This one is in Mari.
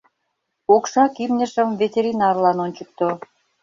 Окшак имньыжым ветеринарлан ончыкто.